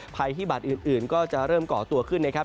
ภัยที่บาดอื่นก็จะเริ่มเกาะตัวขึ้นนะครับ